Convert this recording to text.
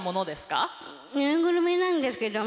ぬいぐるみなんですけども。